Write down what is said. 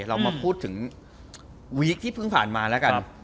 เรามาพูดถึงวีคที่เพิ่งผ่านมาแล้วกัน